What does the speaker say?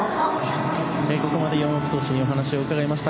ここまで山本投手にお話を伺いました。